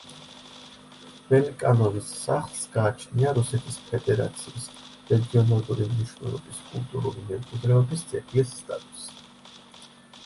ველიკანოვის სახლს გააჩნია რუსეთის ფედერაციის რეგიონალური მნიშვნელობის კულტურული მემკვიდრეობის ძეგლის სტატუსი.